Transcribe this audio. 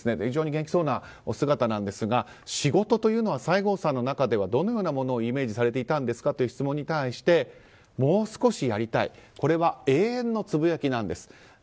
非常に元気そうなお姿なんですが仕事というのは西郷さんの中ではどんなものをイメージされていたかという質問に対してもう少しやりたいこれは永遠のつぶやきなんです。